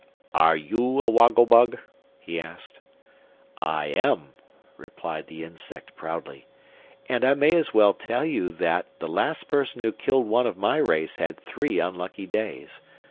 "Are you a woggle bug?" he asked. "I am," replied the Insect, proudly. "And I may as well tell you that the last person who killed one of my race had three unlucky days.